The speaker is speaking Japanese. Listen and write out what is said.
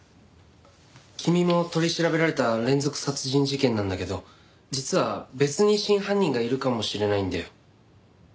君も取り調べられた連続殺人事件なんだけど実は別に真犯人がいるかもしれないんだよ。